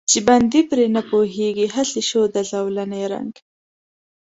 چې بندي پرې نه پوهېږي، هسې شو د زولانې رنګ.